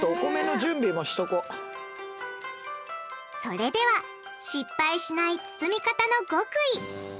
それでは失敗しない包み方の極意！